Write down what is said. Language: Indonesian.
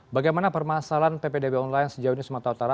bagaimana permasalahan ppdb online sejauh ini sumatera utara